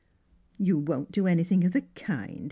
" You won't do anything of the kind.